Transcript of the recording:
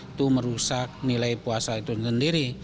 itu merusak nilai puasa itu sendiri